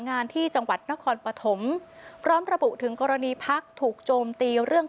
งานที่จังหวัดนครปฐมพร้อมระบุถึงกรณีพักถูกโจมตีเรื่อง